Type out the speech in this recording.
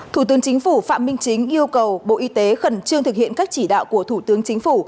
thủ tướng chính phủ phạm minh chính yêu cầu bộ y tế khẩn trương thực hiện các chỉ đạo của thủ tướng chính phủ